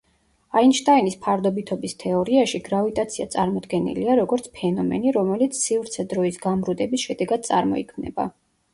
აინშტაინის ფარდობითობის თეორიაში, გრავიტაცია წარმოდგენილია როგორც ფენომენი, რომელიც სივრცე-დროის გამრუდების შედეგად წარმოიქმნება.